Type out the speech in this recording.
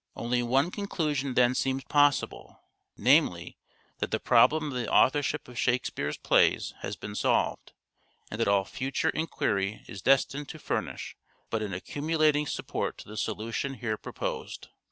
Only one conclusion then seems possible ; namely, that the problem of the authorship of Shake speare's plays has been solved, and that all future enquiry is destined to furnish but an accumulating support to the solution here proposed.